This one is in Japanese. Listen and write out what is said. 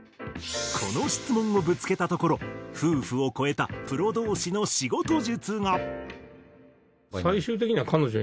この質問をぶつけたところ夫婦を超えたプロ同士の仕事術が。